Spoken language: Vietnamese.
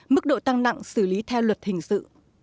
mức độ tăng nặng xử lý theo luật hình sự